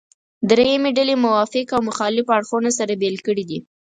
درېیمې ډلې موافق او مخالف اړخونه سره بېل کړي دي.